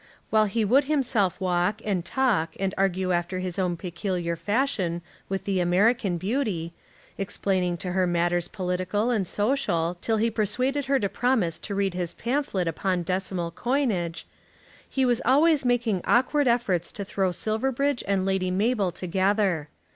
While he would himself walk, and talk, and argue after his own peculiar fashion with the American beauty, explaining to her matters political and social, till he persuaded her to promise to read his pamphlet upon decimal coinage, he was always making awkward efforts to throw Silverbridge and Lady Mabel together.